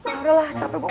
yaudahlah capek boku boku